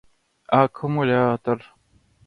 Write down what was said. Аккумулятор